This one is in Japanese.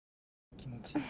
気持ちいい？